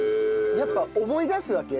やっぱ思い出すわけ？